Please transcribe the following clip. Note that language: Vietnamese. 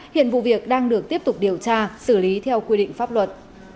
hiện vụ việc đang được tiếp tục điều tra xử lý theo quy định pháp luật